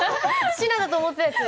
「品」だと思ったやつ。